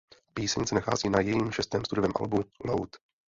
Píseň se nachází na jejím šestém studiovém albu Loud.